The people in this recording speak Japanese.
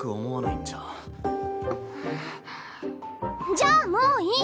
じゃあもういい。